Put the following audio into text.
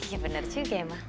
ya bener juga emang